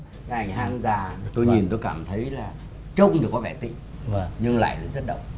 cái ảnh hang già tôi nhìn tôi cảm thấy là trông thì có vẻ tĩnh nhưng lại là rất động